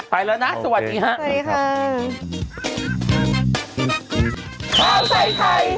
ไปแล้วนะสวัสดีค่ะ